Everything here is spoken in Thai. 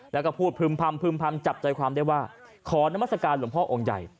แล้วก็พูดพึ่มพำพึ่มพำจับใจความได้ว่าขอนามัศกาลหลวงพ่อองค์ใหญ่